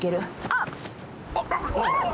あっ！